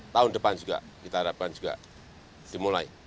tahun depan juga kita harapkan juga dimulai